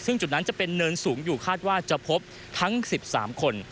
ซึ่งจุดนั้นจะเป็นเนินสูงอยู่คาดว่าจะพบทั้ง๑๓คน